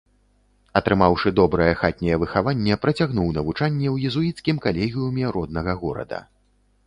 Атрымаўшы добрае хатняе выхаванне, працягнуў навучанне ў езуіцкім калегіуме роднага горада.